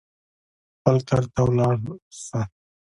خپل کار ته ولاړ سه.